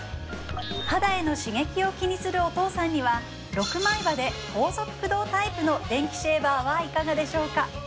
肌への刺激を気にするお父さんには６枚刃で高速駆動タイプの電気シェーバーはいかがでしょうか？